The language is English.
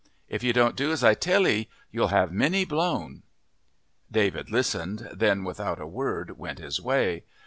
If you don't do as I tell 'ee you'll have many blown." David listened, then without a word went his way.